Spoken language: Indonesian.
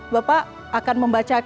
bapak akan membacakan dua